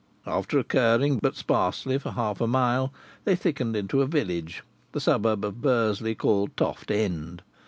After occurring but sparsely for half a mile, they thickened into a village the suburb of Bursley called Toft End.